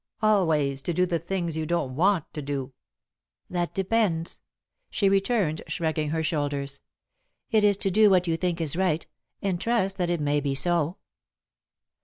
"Always to do the thing you don't want to do?" "That depends," she returned, shrugging her shoulders. "It is to do what you think is right, and trust that it may be so."